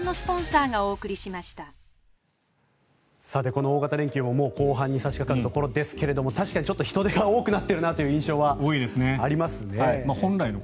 この大型連休ももう後半に差しかかるところですが確かにちょっと人出が多くなっているなという印象はありますね。